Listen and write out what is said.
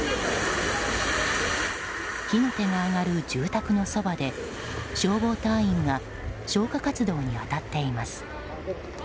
火の手が上がる住宅のそばで消防隊員が消火活動に当たっています。